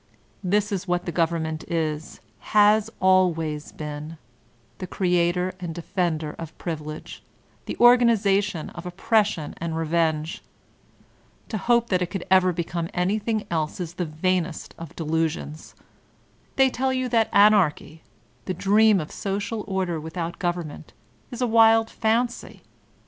This is what the government is» has always been, the creator and defender of privilege ; the organization of oppression and revenge. To hope that it can ever become anything else is the vainest of delusions. They tell you that Anarchy, the dream of social order with out goverment, is a wild fancy.